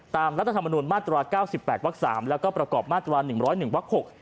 รัฐธรรมนุนมาตรา๙๘วัก๓แล้วก็ประกอบมาตรา๑๐๑วัก๖